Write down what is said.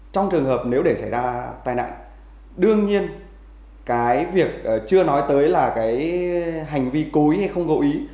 trong trường hợp nếu để xảy ra tai nạn đương nhiên cái việc chưa nói tới là cái hành vi cối hay không gợi ý